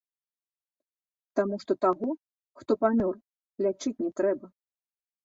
Таму што таго, хто памёр, лячыць не трэба.